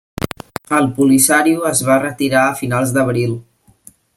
El Polisario es va retirar a finals d'abril.